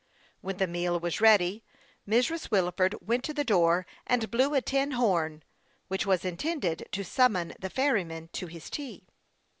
When the meal was ready, Mrs. Wilford went to the door and blew a tin horn, which was intended to summon the ferryman to his tea.